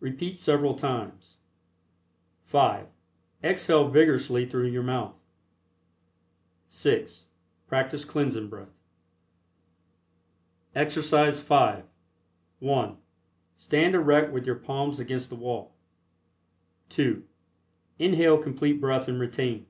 Repeat several times. (5) Exhale vigorously through your mouth. (6) Practice Cleansing Breath. EXERCISE V. (1) Stand erect with your palms against the wall. (2) Inhale Complete Breath and retain.